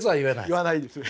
言わないです。